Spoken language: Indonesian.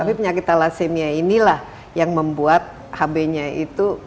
tapi penyakit thalassemia inilah yang membuat hb nya itu